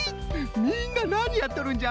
みんななにやっとるんじゃ？